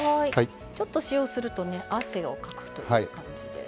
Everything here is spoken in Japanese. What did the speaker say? ちょっと塩をするとね汗をかくという感じで。